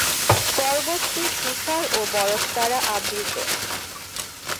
পর্বতটি তুষার ও বরফ দ্বারা আবৃত।